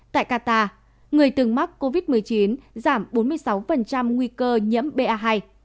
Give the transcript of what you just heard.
tại qatar người từng mắc covid một mươi chín giảm bốn mươi sáu nguy cơ nhiễm pa hai